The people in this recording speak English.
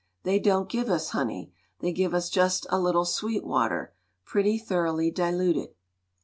They don't give us honey; they give us just a little sweet water, pretty thoroughly diluted.